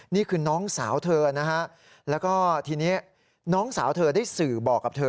นี่คือน้องสาวเธอนะฮะแล้วก็ทีนี้น้องสาวเธอได้สื่อบอกกับเธอ